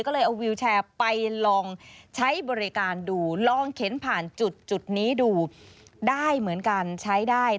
ก็เลยเอาวิวแชร์ไปลองใช้บริการดูลองเข็นผ่านจุดนี้ดูได้เหมือนกันใช้ได้